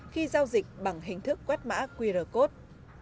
khi giao dịch bằng hình thức quét mã qr code